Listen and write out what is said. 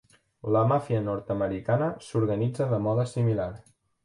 La Màfia nord-americana s'organitza de mode similar.